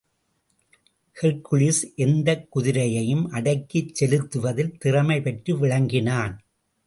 Hercules எந்தக் குதிரையையும் அடக்கிச் செலுத்துவதில் திறமை பெற்று விளங்கினான்.